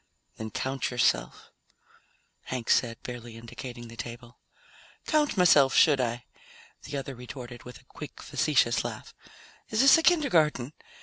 "Then count yourself," Hank said, barely indicating the table. "Count myself, should I?" the other retorted with a quick facetious laugh. "Is this a kindergarten?